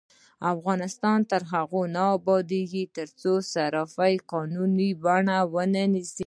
افغانستان تر هغو نه ابادیږي، ترڅو صرافي قانوني بڼه ونه نیسي.